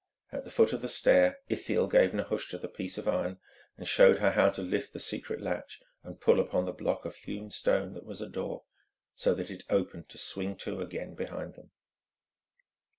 At the foot of the stair Ithiel gave Nehushta the piece of iron and showed her how to lift the secret latch and pull upon the block of hewn stone that was a door, so that it opened to swing to again behind them.